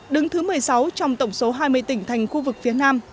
đứng thứ một mươi sáu trong tổng số hai mươi tỉnh thành khu vực phía nam